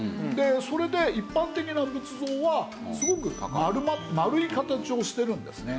それで一般的な仏像はすごく丸い形をしてるんですね。